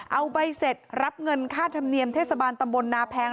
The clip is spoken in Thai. เอาใบเสร็จรับเงินค่าธรรมเนียมเทศบาลตำบลนาแพง